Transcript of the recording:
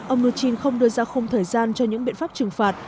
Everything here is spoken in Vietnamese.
ông mnuchin không đưa ra không thời gian cho những biện pháp trừng phạt